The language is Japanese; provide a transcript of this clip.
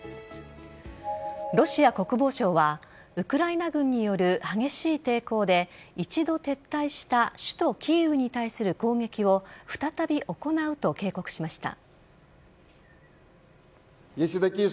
ロシア国防省はウクライナ軍による激しい抵抗で一度撤退した首都・キーウに対する攻撃を再び行うと警告しました。